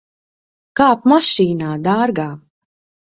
Kāp mašīnā, dārgā.